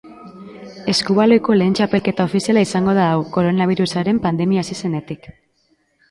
Eskubaloiko lehen txapelketa ofiziala izango da hau, koronabirusaren pandemia hasi zenetik.